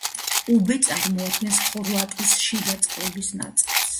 უბე წარმოადგენს ხორვატიის შიდა წყლების ნაწილს.